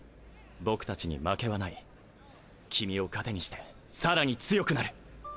僕たちに負けはない君を糧にしてさらに強くなる！